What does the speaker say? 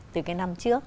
từ cái năm trước